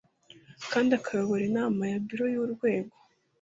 kandi akayobora inama ya biro y urwego